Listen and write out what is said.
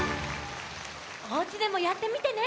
おうちでもやってみてね！